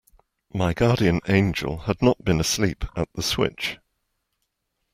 My guardian angel had not been asleep at the switch.